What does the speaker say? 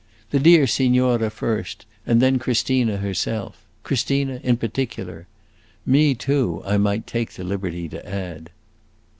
The dear signora, first, and then Christina herself. Christina in particular. Me too, I might take the liberty to add!"